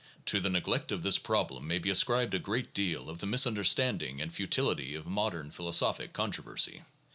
To the neglect of this problem may be ascribed a great deal of the misunderstanding and futility of modern philosophic controversy.